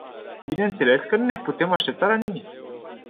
Bineînțeles că nu ne putem aștepta la nimic.